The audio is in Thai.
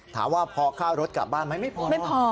ถามว่าพอค่ารถกลับบ้านไหมไม่พอไหม